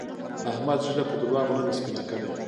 احمد ږيره په درواغو نه ده سپينه کړې.